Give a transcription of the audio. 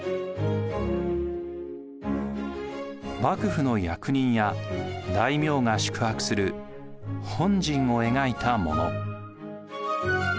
幕府の役人や大名が宿泊する本陣を描いたもの。